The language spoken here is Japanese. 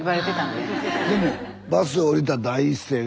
でもバス降りた第一声が「あつ」。